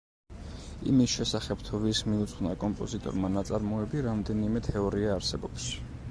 იმის შესახებ, თუ ვის მიუძღვნა კომპოზიტორმა ნაწარმოები, რამდენიმე თეორია არსებობს.